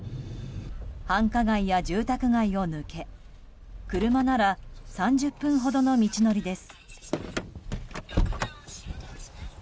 繁華街や住宅街を抜け車なら３０分ほどの道のりです。